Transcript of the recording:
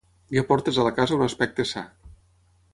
Li aportes a la casa un aspecte sa.